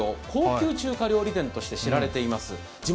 高級中華料理店として知られています。